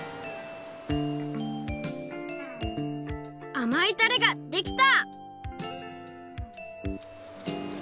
あまいたれができた！